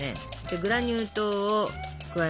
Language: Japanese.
グラニュー糖を加えますよ。